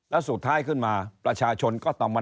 แล้วสุดท้ายขึ้นมาประชาชนก็ต้องมา